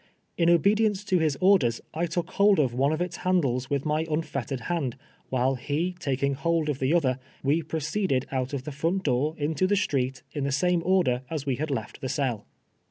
In obedience to his orders, I took hold of one of its handles with my unfettered hand, while he taking hold of the other, we proceeded out of the front door into tlie street in the same order as we had left the cell.